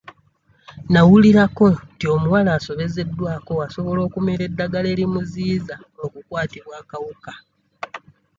Nawulirako nti omuwala asobezeddwako asobola okumira eddagala erimuziyiza okukwatibwa akawuka.